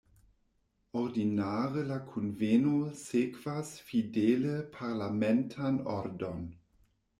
Ordinare la kunveno sekvas fidele parlamentan ordon.